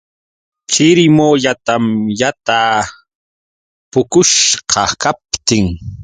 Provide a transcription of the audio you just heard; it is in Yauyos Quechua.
Chirimuyatam yataa puqushqa kaptin.